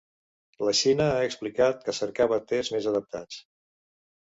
La Xina ha explicat que cercava tests més adaptats.